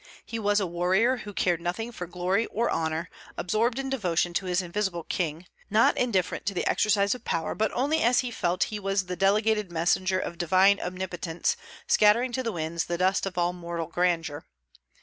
He was a warrior who cared nothing for glory or honor, absorbed in devotion to his Invisible King, not indifferent to the exercise of power, but only as he felt he was the delegated messenger of Divine Omnipotence scattering to the winds the dust of all mortal grandeur.